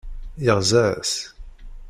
Yeɣza-as.